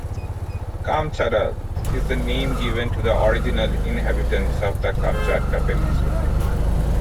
"Kamchadal" is the name given to the original inhabitants of the Kamchatka Peninsula.